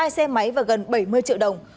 hai xe máy và gần bảy mươi triệu đồng